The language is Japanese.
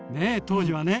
当時はね